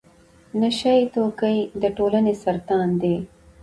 نشه يي توکي د ټولنې سرطان دی.